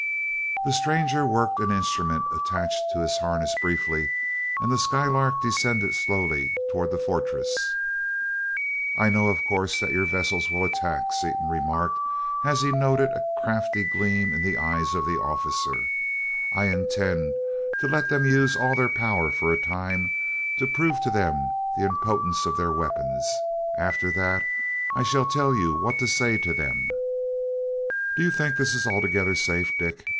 The stranger worked an instrument attached to his harness briefly, and the Skylark descended slowly toward the fortress. "I know, of course, that your vessels will attack," Seaton remarked, as he noted a crafty gleam in the eyes of the officer. "I intend to let them use all their power for a time, to prove to them the impotence of their weapons. After that, I shall tell you what to say to them." "Do you think this is altogether safe, Dick?"